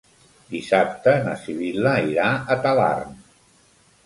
Dissabte na Sibil·la irà a Talarn.